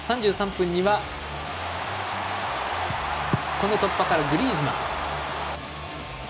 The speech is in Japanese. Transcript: ３３分には、この突破からグリーズマン。